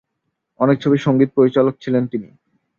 অনেক ছবির সংগীত পরিচালক ছিলেন তিনি।